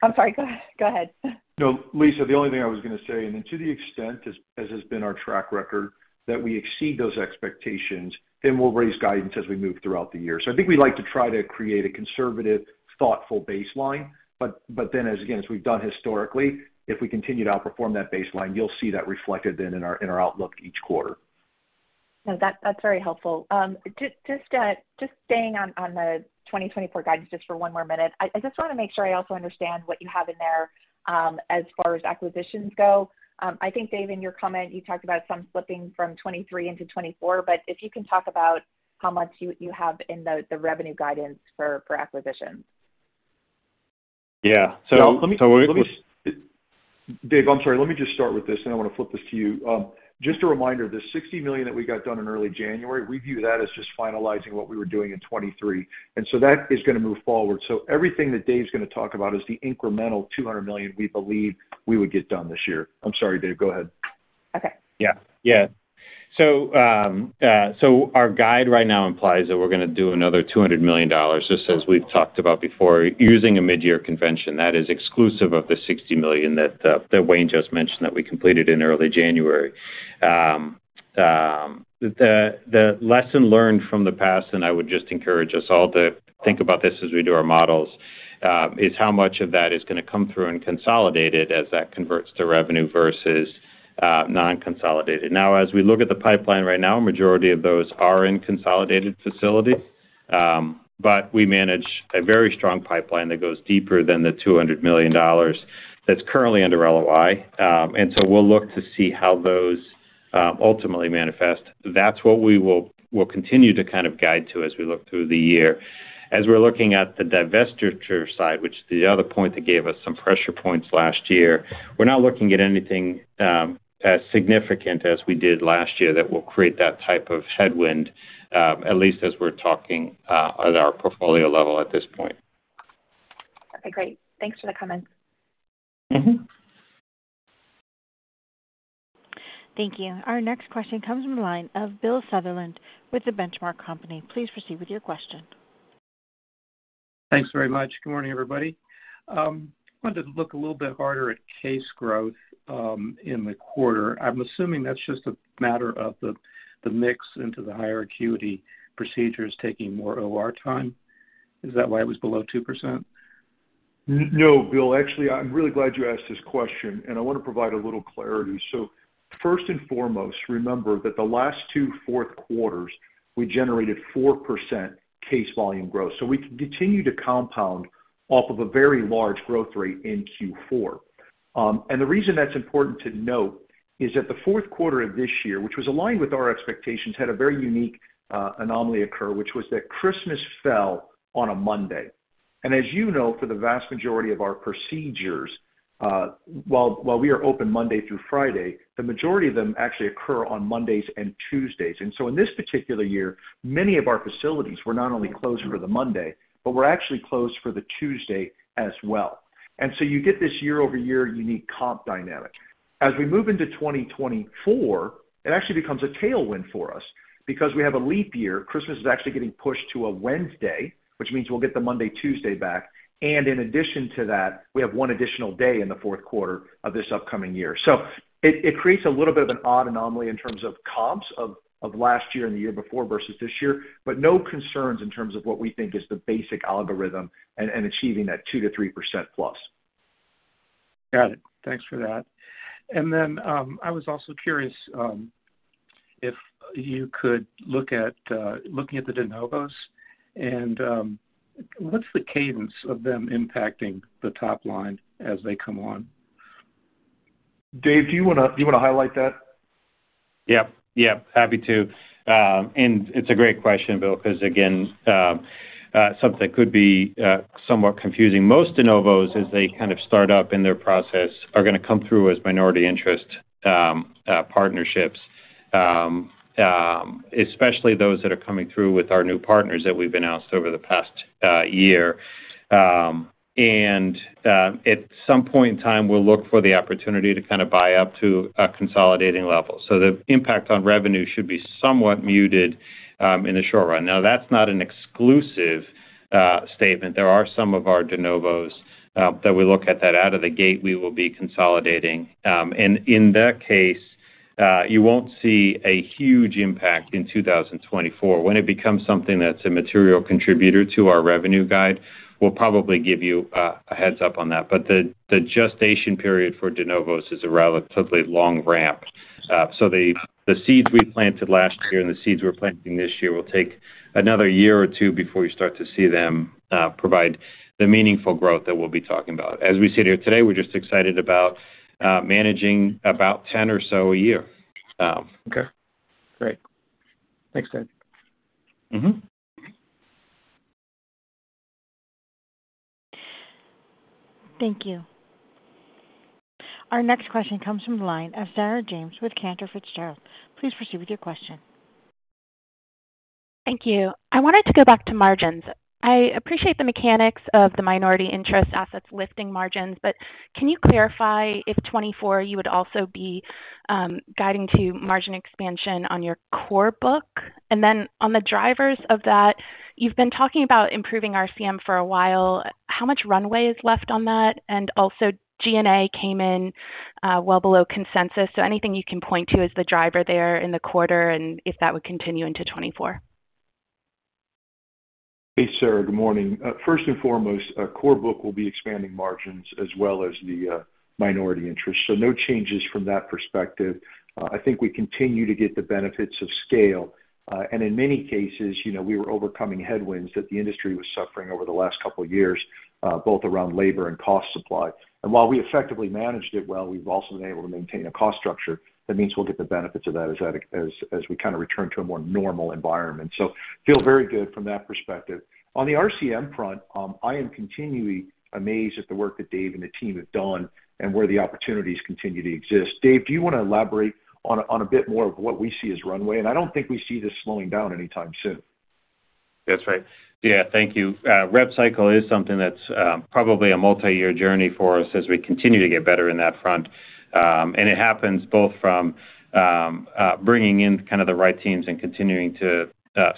I'm sorry. Go ahead. No, Lisa, the only thing I was going to say, and then to the extent as has been our track record that we exceed those expectations, then we'll raise guidance as we move throughout the year. So I think we'd like to try to create a conservative, thoughtful baseline. But then, again, as we've done historically, if we continue to outperform that baseline, you'll see that reflected then in our outlook each quarter. No, that's very helpful. Just staying on the 2024 guidance just for one more minute, I just want to make sure I also understand what you have in there as far as acquisitions go. I think, Dave, in your comment, you talked about some slipping from 2023 into 2024, but if you can talk about how much you have in the revenue guidance for acquisitions. Yeah. So Let me, Dave, I'm sorry. Let me just start with this, and I want to flip this to you. Just a reminder, the $60 million that we got done in early January, we view that as just finalizing what we were doing in 2023. And so that is going to move forward. So everything that Dave's going to talk about is the incremental $200 million we believe we would get done this year. I'm sorry, Dave. Go ahead. Okay. Yeah. Yeah. So our guide right now implies that we're going to do another $200 million, just as we've talked about before, using a midyear convention. That is exclusive of the $60 million that Wayne just mentioned that we completed in early January. The lesson learned from the past, and I would just encourage us all to think about this as we do our models, is how much of that is going to come through and consolidated as that converts to revenue versus non-consolidated. Now, as we look at the pipeline right now, a majority of those are in consolidated facilities. But we manage a very strong pipeline that goes deeper than the $200 million that's currently under LOI. And so we'll look to see how those ultimately manifest. That's what we will continue to kind of guide to as we look through the year. As we're looking at the divestiture side, which is the other point that gave us some pressure points last year, we're not looking at anything as significant as we did last year that will create that type of headwind, at least as we're talking at our portfolio level at this point. Okay. Great. Thanks for the comments. Thank you. Our next question comes from the line of Bill Sutherland with The Benchmark Company. Please proceed with your question. Thanks very much. Good morning, everybody. I wanted to look a little bit harder at case growth in the quarter. I'm assuming that's just a matter of the mix into the higher acuity procedures taking more OR time. Is that why it was below 2%? No, Bill. Actually, I'm really glad you asked this question, and I want to provide a little clarity. So first and foremost, remember that the last two fourth quarters, we generated 4% case volume growth. So we continue to compound off of a very large growth rate in Q4. And the reason that's important to note is that the fourth quarter of this year, which was aligned with our expectations, had a very unique anomaly occur, which was that Christmas fell on a Monday. And as you know, for the vast majority of our procedures, while we are open Monday through Friday, the majority of them actually occur on Mondays and Tuesdays. And so in this particular year, many of our facilities were not only closed for the Monday, but were actually closed for the Tuesday as well. And so you get this year-over-year unique comp dynamic. As we move into 2024, it actually becomes a tailwind for us because we have a leap year. Christmas is actually getting pushed to a Wednesday, which means we'll get the Monday, Tuesday back. In addition to that, we have one additional day in the fourth quarter of this upcoming year. It creates a little bit of an odd anomaly in terms of comps of last year and the year before versus this year, but no concerns in terms of what we think is the basic algorithm and achieving that 2%-3% plus. Got it. Thanks for that. And then I was also curious if you could look at the de novos, and what's the cadence of them impacting the top line as they come on? Dave, do you want to highlight that? Yep. Yep. Happy to. It's a great question, Bill, because, again, something that could be somewhat confusing. Most de novos, as they kind of start up in their process, are going to come through as minority interest partnerships, especially those that are coming through with our new partners that we've announced over the past year. At some point in time, we'll look for the opportunity to kind of buy up to a consolidating level. The impact on revenue should be somewhat muted in the short run. Now, that's not an exclusive statement. There are some of our de novos that we look at that out of the gate, we will be consolidating. In that case, you won't see a huge impact in 2024. When it becomes something that's a material contributor to our revenue guide, we'll probably give you a heads-up on that. The gestation period for de novos is a relatively long ramp. The seeds we planted last year and the seeds we're planting this year will take another year or two before you start to see them provide the meaningful growth that we'll be talking about. As we sit here today, we're just excited about managing about 10 or so a year. Okay. Great. Thanks, Dave. Thank you. Our next question comes from the line of Sarah James with Cantor Fitzgerald. Please proceed with your question. Thank you. I wanted to go back to margins. I appreciate the mechanics of the minority interest assets lifting margins, but can you clarify if 2024 you would also be guiding to margin expansion on your core book? And then on the drivers of that, you've been talking about improving RCM for a while. How much runway is left on that? And also, G&A came in well below consensus. So anything you can point to as the driver there in the quarter and if that would continue into 2024? Hey, Sarah. Good morning. First and foremost, our core book will be expanding margins as well as the minority interest. No changes from that perspective. I think we continue to get the benefits of scale. In many cases, we were overcoming headwinds that the industry was suffering over the last couple of years, both around labor and cost supply. While we effectively managed it well, we've also been able to maintain a cost structure. That means we'll get the benefits of that as we kind of return to a more normal environment. Feel very good from that perspective. On the RCM front, I am continually amazed at the work that Dave and the team have done and where the opportunities continue to exist. Dave, do you want to elaborate on a bit more of what we see as runway? I don't think we see this slowing down anytime soon. That's right. Yeah. Thank you. Rev cycle is something that's probably a multi-year journey for us as we continue to get better in that front. It happens both from bringing in kind of the right teams and continuing to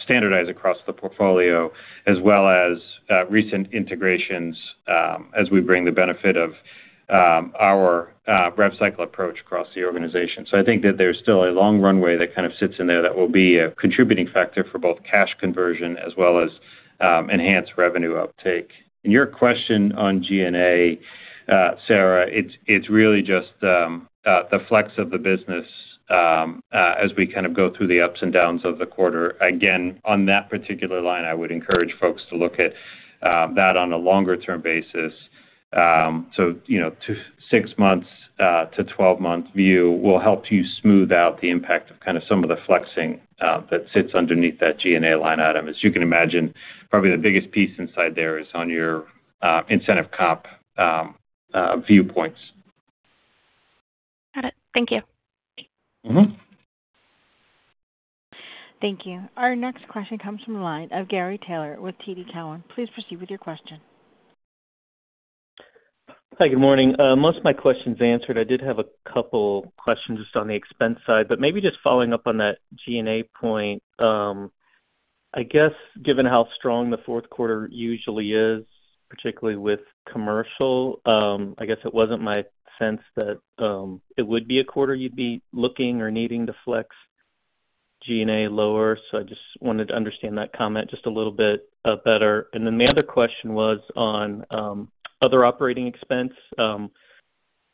standardize across the portfolio as well as recent integrations as we bring the benefit of our rev cycle approach across the organization. I think that there's still a long runway that kind of sits in there that will be a contributing factor for both cash conversion as well as enhanced revenue uptake. Your question on G&A, Sarah, it's really just the flex of the business as we kind of go through the ups and downs of the quarter. Again, on that particular line, I would encourage folks to look at that on a longer-term basis. A six-month, 12-month view will help you smooth out the impact of kind of some of the flexing that sits underneath that G&A line item. As you can imagine, probably the biggest piece inside there is on your incentive comp viewpoints. Got it. Thank you. Thank you. Our next question comes from the line of Gary Taylor with TD Cowen. Please proceed with your question. Hi. Good morning. Most of my questions answered. I did have a couple of questions just on the expense side. But maybe just following up on that G&A point, I guess given how strong the fourth quarter usually is, particularly with commercial, I guess it wasn't my sense that it would be a quarter you'd be looking or needing to flex G&A lower. So I just wanted to understand that comment just a little bit better. And then the other question was on other operating expense.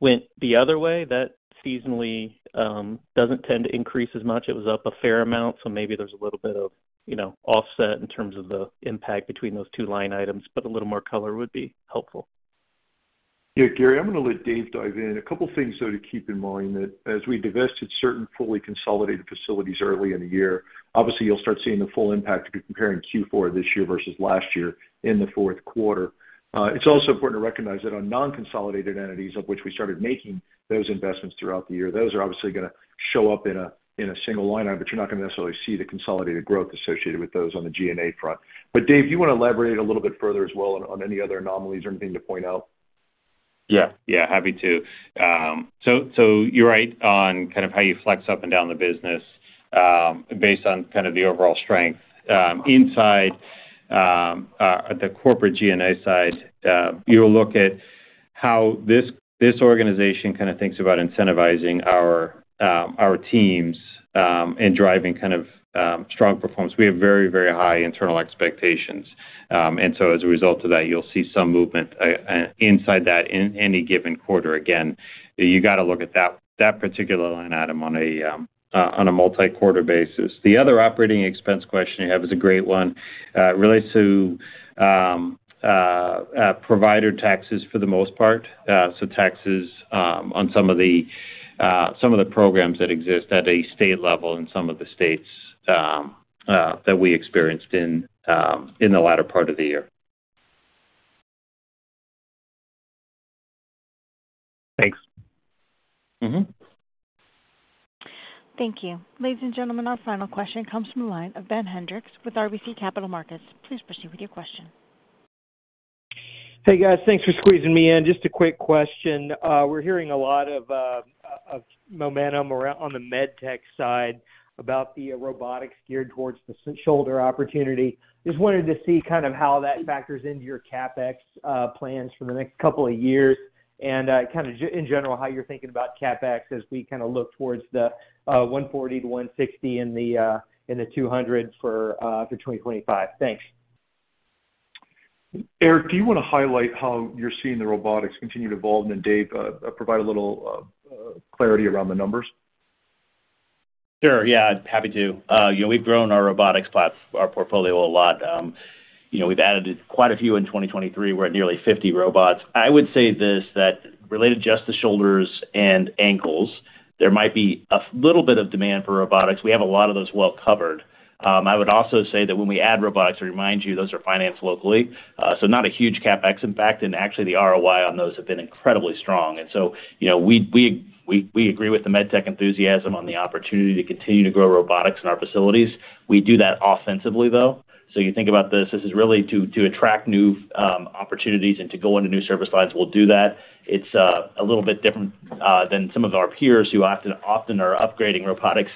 Went the other way. That seasonally doesn't tend to increase as much. It was up a fair amount. So maybe there's a little bit of offset in terms of the impact between those two line items, but a little more color would be helpful. Yeah, Gary, I'm going to let Dave dive in. A couple of things, though, to keep in mind that as we divested certain fully consolidated facilities early in the year, obviously, you'll start seeing the full impact if you're comparing Q4 of this year versus last year in the fourth quarter. It's also important to recognize that on non-consolidated entities of which we started making those investments throughout the year, those are obviously going to show up in a single line item, but you're not going to necessarily see the consolidated growth associated with those on the G&A front. But Dave, do you want to elaborate a little bit further as well on any other anomalies or anything to point out? Yeah. Yeah. Happy to. So you're right on kind of how you flex up and down the business based on kind of the overall strength. Inside the corporate G&A side, you'll look at how this organization kind of thinks about incentivizing our teams and driving kind of strong performance. We have very, very high internal expectations. And so as a result of that, you'll see some movement inside that in any given quarter. Again, you got to look at that particular line item on a multi-quarter basis. The other operating expense question you have is a great one. It relates to provider taxes for the most part, so taxes on some of the programs that exist at a state level in some of the states that we experienced in the latter part of the year. Thanks. Thank you. Ladies and gentlemen, our final question comes from the line of Ben Hendrix with RBC Capital Markets. Please proceed with your question. Hey, guys. Thanks for squeezing me in. Just a quick question. We're hearing a lot of momentum on the medtech side about the robotics geared towards the shoulder opportunity. Just wanted to see kind of how that factors into your CapEx plans for the next couple of years and kind of in general, how you're thinking about CapEx as we kind of look towards the $140 million-$160 million and the $200 million for 2025? Thanks. Eric, do you want to highlight how you're seeing the robotics continue to evolve and then Dave provide a little clarity around the numbers? Sure. Yeah. Happy to. We've grown our robotics portfolio a lot. We've added quite a few in 2023. We're at nearly 50 robots. I would say this, that related just to shoulders and ankles, there might be a little bit of demand for robotics. We have a lot of those well covered. I would also say that when we add robotics, I remind you, those are financed locally. So not a huge CapEx, in fact. And actually, the ROI on those have been incredibly strong. And so we agree with the medtech enthusiasm on the opportunity to continue to grow robotics in our facilities. We do that offensively, though. So you think about this, this is really to attract new opportunities and to go into new service lines. We'll do that. It's a little bit different than some of our peers who often are upgrading robotics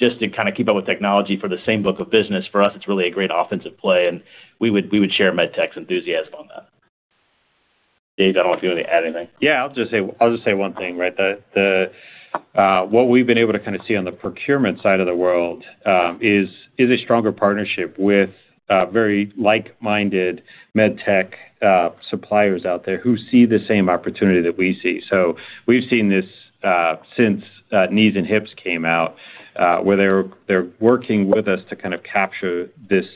just to kind of keep up with technology for the same book of business. For us, it's really a great offensive play, and we would share medtech's enthusiasm on that. Dave, I don't know if you want to add anything. Yeah. I'll just say one thing, right? What we've been able to kind of see on the procurement side of the world is a stronger partnership with very like-minded medtech suppliers out there who see the same opportunity that we see. So we've seen this since knees and hips came out, where they're working with us to kind of capture this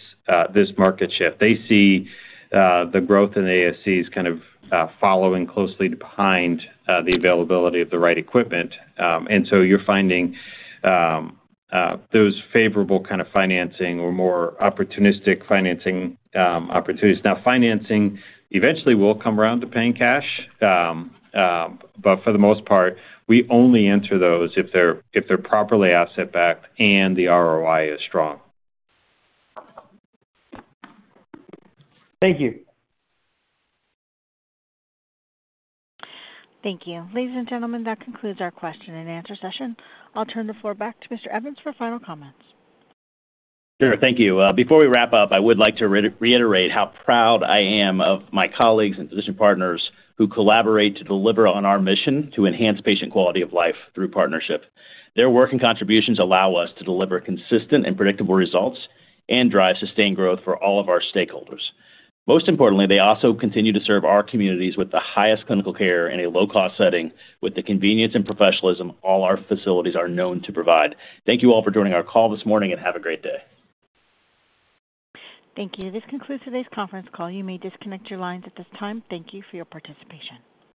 market shift. They see the growth in the ASCs kind of following closely behind the availability of the right equipment. And so you're finding those favorable kind of financing or more opportunistic financing opportunities. Now, financing eventually will come around to paying cash. But for the most part, we only enter those if they're properly asset-backed and the ROI is strong. Thank you. Thank you. Ladies and gentlemen, that concludes our question and answer session. I'll turn the floor back to Mr. Evans for final comments. Sure. Thank you. Before we wrap up, I would like to reiterate how proud I am of my colleagues and physician partners who collaborate to deliver on our mission to enhance patient quality of life through partnership. Their work and contributions allow us to deliver consistent and predictable results and drive sustained growth for all of our stakeholders. Most importantly, they also continue to serve our communities with the highest clinical care in a low-cost setting with the convenience and professionalism all our facilities are known to provide. Thank you all for joining our call this morning, and have a great day. Thank you. This concludes today's conference call. You may disconnect your lines at this time. Thank you for your participation.